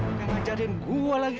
nggak ngajarin gua lagi